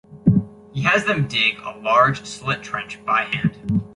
He has them dig a large slit trench by hand.